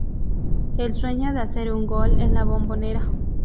El sueño de hacer un gol en La Bombonera.